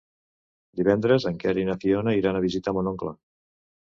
Divendres en Quer i na Fiona iran a visitar mon oncle.